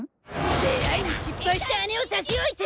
出会いに失敗した姉をさしおいて！